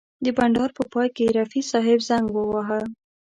د بنډار په پای کې رفیع صاحب زنګ وواهه.